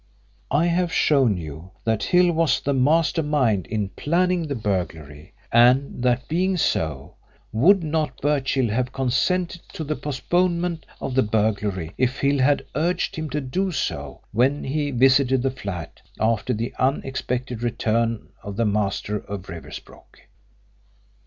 I have shown you that Hill was the master mind in planning the burglary, and, that being so, would not Birchill have consented to the postponement of the burglary if Hill had urged him to do so when he visited the flat after the unexpected return of the master of Riversbrook?